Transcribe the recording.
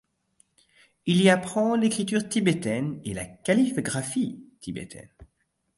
Il y apprend l'écriture tibétaine et la calligraphie tibétaine.